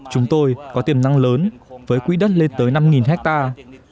chúng tôi có tiềm năng lớn với quỹ đất lên tới năm hectare